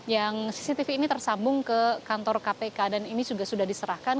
yang cctv ini tersambung ke kantor kpk dan ini juga sudah diserahkan